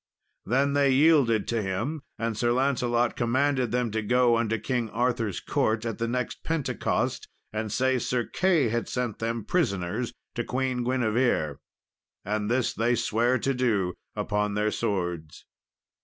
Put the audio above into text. Then they yielded to him; and Sir Lancelot commanded them to go unto King Arthur's court at the next Pentecost, and say, Sir Key had sent them prisoners to Queen Guinevere. And this they sware to do upon their swords.